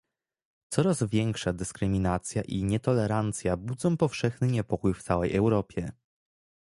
Coraz większa dyskryminacja i nietolerancja budzą powszechny niepokój w całej Europie